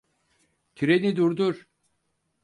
Treni durdur!